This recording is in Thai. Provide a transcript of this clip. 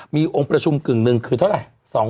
มีองค์ประชุมกึ่งหนึ่งคือเท่าไหร่